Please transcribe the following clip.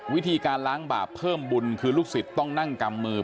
วิธีการล้างบาปเพิ่มบุญคือลูกศิษย์ต้องนั่งกำมือ